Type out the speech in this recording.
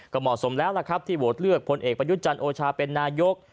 ก็เหมาะสมแล้วล่ะครับที่โหวตเลือกพลเอกประยุทธ์จันทร์โอชาเป็นนายก